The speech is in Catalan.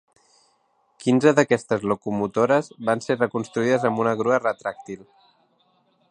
Quinze d'aquestes locomotores van ser reconstruïdes amb una grua retràctil.